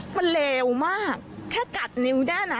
มันเลวมากแค่กัดนิ้วได้นะ